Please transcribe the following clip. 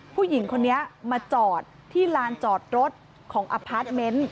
ผู้หญิงคนนี้มาจอดที่ลานจอดรถของอพาร์ทเมนต์